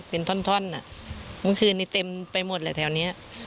เป็นท่อนท่อนน่ะเมื่อกี้เต็มไปหมดแหละแถวเนี้ย